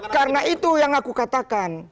karena itu yang aku katakan